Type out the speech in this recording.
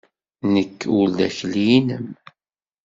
Nekk ur d akli-nnem!